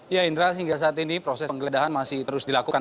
ya indra hingga saat ini proses penggeledahan masih terus dilakukan